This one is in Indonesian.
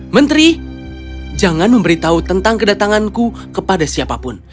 menteri jangan memberitahu tentang kedatanganku kepada siapapun